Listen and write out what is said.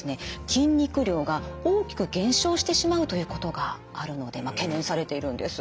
筋肉量が大きく減少してしまうということがあるので懸念されているんです。